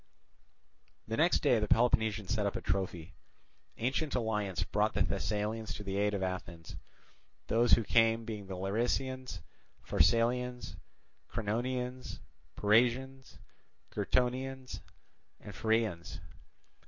The next day the Peloponnesians set up a trophy. Ancient alliance brought the Thessalians to the aid of Athens; those who came being the Larisaeans, Pharsalians, Cranonians, Pyrasians, Gyrtonians, and Pheraeans.